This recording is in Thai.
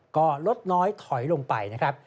ก็ลดน้อยถอยลงไปนะครับ